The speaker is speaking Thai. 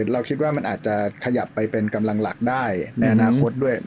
เราคิดว่ามันอาจจะขยับไปเป็นกำลังหลักได้ในอนาคตด้วย